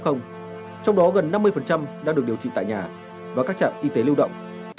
trong đó gần năm mươi đang được điều trị tại nhà và các trạm y tế lưu động